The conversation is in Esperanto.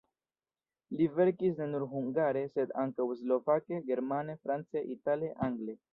Li verkis ne nur hungare, sed ankaŭ slovake, germane, france, itale, angle.